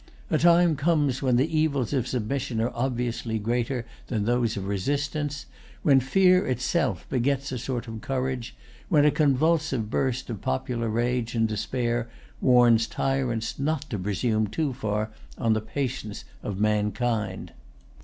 A time comes when the evils of submission are obviously greater than those of resistance, when fear itself begets a sort of courage, when a convulsive burst of popular rage and despair warns tyrants not to presume too far on the patience of mankind.